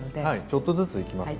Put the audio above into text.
ちょっとずつ。